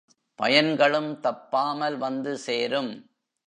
பயன் களும் தப்பாமல் வந்து சேரும்.